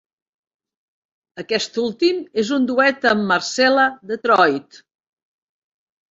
Aquest últim és un duet amb Marcella Detroit.